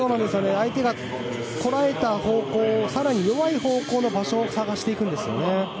相手がこらえた方向を更に弱い方向の場所を探していくんですよね。